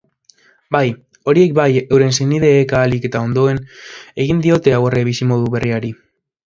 Bai horiek bai euren senideek ahalik eta ondoen egin diote aurre bizimodu berriari.